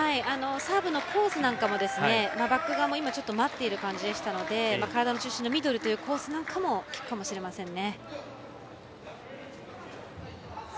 サーブのコースなんかもバック側も待っている感じでしたので体の中心のミドルというコースなんかも効くかもしれませんね。